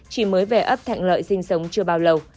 chỉ mới về ấp thạnh lợi sinh sống chưa bao lâu